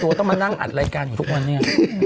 เราจะต้องมานั่งอัดรายการทุกวันนี้